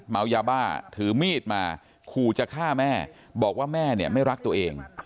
เมายาบ้าถือมีดมาขู่จะฆ่าแม่บอกว่าแม่เนี่ยไม่รักตัวเอง